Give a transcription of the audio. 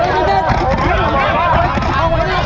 สวัสดีครับทุกคน